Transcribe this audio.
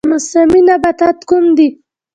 موسمي نباتات کوم دي؟